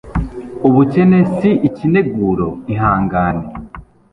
ubukene si ikineguro ihangane